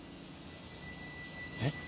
えっ？